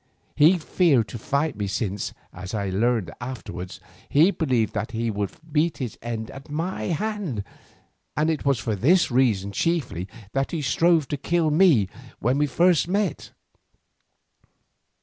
He feared to fight with me since, as I learned afterwards, he believed that he would meet his end at my hand, and it was for this reason chiefly that he strove to kill me when first we met.